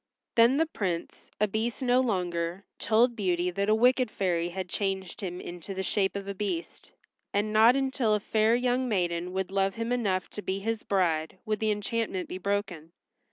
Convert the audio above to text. Then the Prince, a Beast no longer, told Beauty that a wicked fairy had changed him into the shape of a Beast, and not until a fair young maiden would love him enough to be his bride would the enchantment be broken.